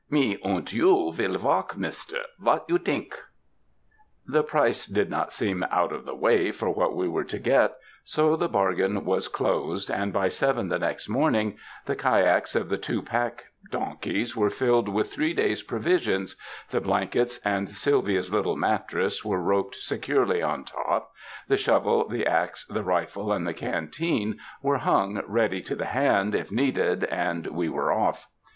Me unt you vill valk, mister. Vot you t'ink?" The price did not seem out of the way for what we were to get, so the bargain was closed; and by seven the next morning the kyacks of the two pack donkeys were filled with three days' provisions; the blankets and Sylvia's little mattress were roped se curely on top; the shovel, the axe, the rifle and the canteen were hung ready to the hand if needed ; and we were off.